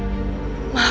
dinda subang lara